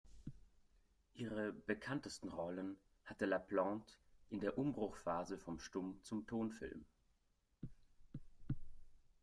Ihre bekanntesten Rollen hatte La Plante in der Umbruchphase vom Stumm- zum Tonfilm.